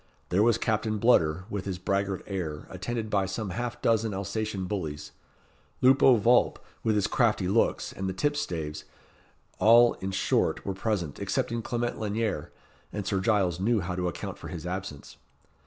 There was Captain Bludder, with his braggart air, attended by some half dozen Alsatian bullies; Lupo Vulp, with his crafty looks; and the tipstaves all, in short, were present, excepting Clement Lanyere, and Sir Giles knew how to account for his absence.